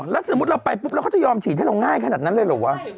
แล้วสมมุติเราไปปุ๊บแล้วเขาจะยอมฉีดให้เราง่ายขนาดนั้นเลยเหรอวะ